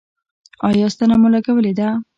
ایا ستنه مو لګولې ده؟